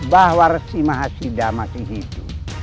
bahwa resi mahasida masih hidup